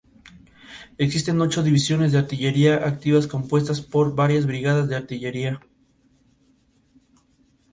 Existen ocho divisiones de artillería activas compuestas por varias brigadas de artillería.